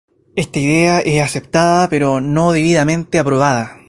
Esta idea es aceptada, pero no debidamente probada.